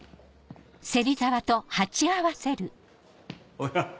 おや？